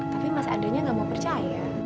tapi mas andre nya enggak mau percaya